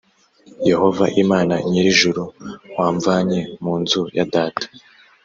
yehova imana nyir ijuru wamvanye mu nzu ya data